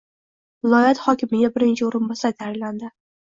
Viloyat hokimiga birinchi o‘rinbosar tayinlandi